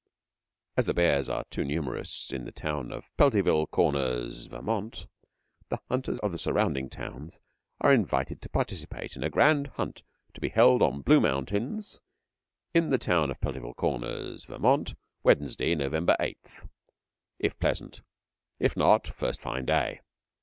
As bears are too numerous in the town of Peltyville Corners, Vt., the hunters of the surrounding towns are invited to participate in a grand hunt to be held on Blue Mountains in the town of Peltyville Corners, Vt., Wednesday, Nov. 8th, if pleasant. If not, first fine day.